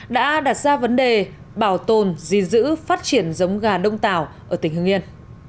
đã đặt ra vấn đề bảo tồn di dữ phát triển giống gà đông tảo ở tỉnh hương yên